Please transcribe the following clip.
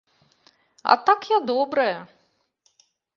А так я добрая!